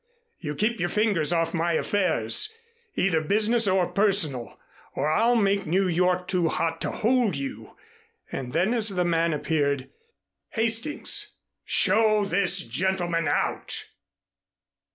You keep your fingers off my affairs, either business or personal, or I'll make New York too hot to hold you," and then as the man appeared, "Hastings, show this gentleman out!"